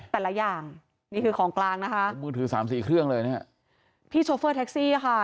แต่ละอย่างนี่คือของกลางนะคะคือมือถือสามสี่เครื่องเลยเนี่ยพี่โชเฟอร์แท็กซี่ค่ะ